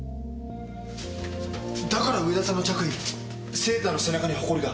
だから上田さんの着衣セーターの背中にほこりが。